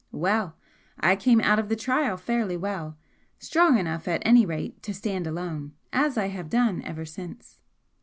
Well! I came out of the trial fairly well strong enough at any rate to stand alone as I have done ever since."